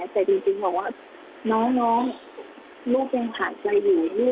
แต่จริงบอกว่าน้องลูกยังหายใจอยู่